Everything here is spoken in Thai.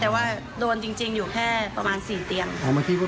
ใช่ค่ะแต่รวดจริงอยู่แค่ประมาณ๔เตียง